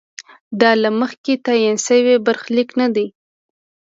دا له مخکې تعین شوی برخلیک نه دی.